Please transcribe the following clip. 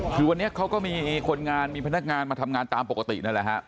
คือวันนี้เขาก็มีคนงานมีพนักงานมาทำงานตามปกตินั่นแหละฮะ